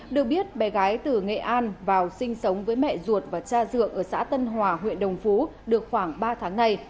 được biết bé gái từ nghệ an vào sinh sống với mẹ ruột và cha dượng ở xã tân hòa huyện đồng phú được khoảng ba tháng này